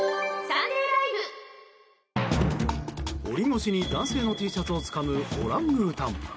檻越しに男性のＴシャツをつかむオランウータン。